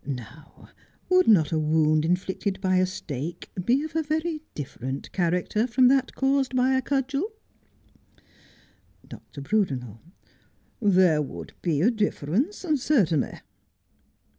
Now, would not a wound inflicted by a stake be of a very different character from that caused by a cudgel 1 Dr. Brudenel : There would be a difference, certainly.